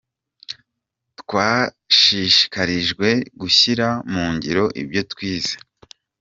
Twashishikarijwe gushyira mu ngiro ibyo twize.